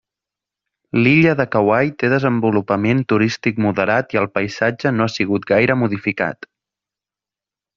L'illa de Kauai té desenvolupament turístic moderat i el paisatge no ha sigut gaire modificat.